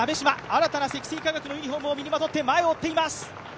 新たな積水化学のユニフォームを身にまとって前を追っています。